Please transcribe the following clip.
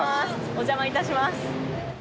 お邪魔いたします